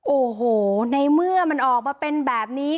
โอ้โหในเมื่อมันออกมาเป็นแบบนี้